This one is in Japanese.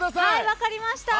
分かりました。